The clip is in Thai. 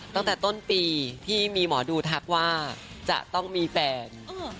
ตั้งแต่ต้นปีที่มีหมอดูทักว่าจะต้องมีแฟน